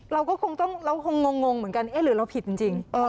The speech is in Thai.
หรือเราผิดจริง